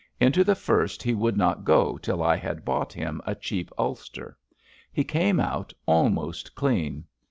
Into the first he would not go till I had bought him a cheap ulster. He came out almost clean.